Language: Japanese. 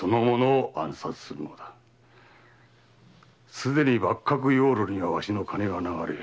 すでに幕閣にはわしの金が流れ